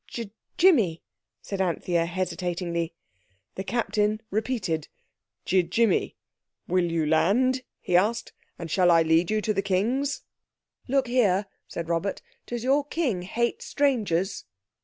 "Ji jimmy," said Anthea hesitatingly. The Captain repeated, "Ji jimmy. Will you land?" he added. "And shall I lead you to the Kings?" "Look here," said Robert, "does your King hate strangers?"